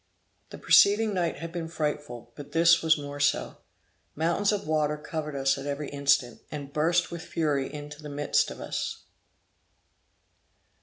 The preceding night had been frightful, but this was more so. Mountains of water covered us at every instant, and burst with fury into the midst of us.